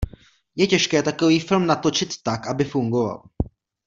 Je těžké takový film natočit tak, aby fungoval.